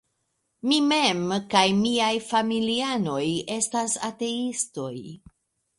Mi mem kaj miaj familianoj estas ateistoj.